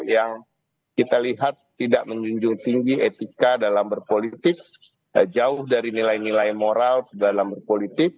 yang kita lihat tidak menjunjung tinggi etika dalam berpolitik jauh dari nilai nilai moral dalam berpolitik